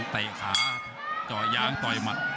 เตะขาเจาะยางต่อยหมัด